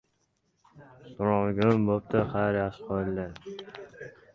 “Kimga to‘qiyotganingizni bilaman.